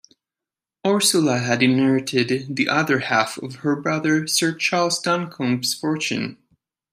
Ursula had inherited the other half of her brother Sir Charles Duncombe's fortune.